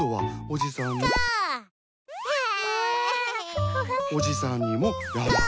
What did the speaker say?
おじさんにもやら。